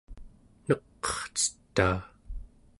neq'ercetaa